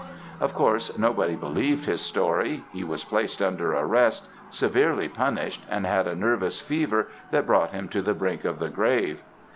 "Of course, nobody believed his story; he was placed under arrest, severely punished, and had a nervous fever that brought him to the brink of the grave.